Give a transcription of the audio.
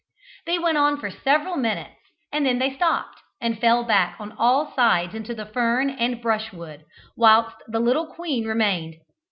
This went on for several minutes, and then they stopped, and fell back on all sides into the fern and brushwood, whilst the little queen remained.